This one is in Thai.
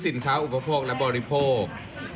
สินค้าอุปโภคและบริโภค